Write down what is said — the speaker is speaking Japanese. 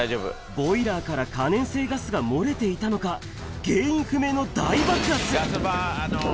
ボイラーから可燃性ガスが漏れていたのか、原因不明の大爆発が。